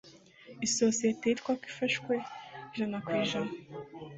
Isosiyete yitwa ko ifashwe ijana ku ijana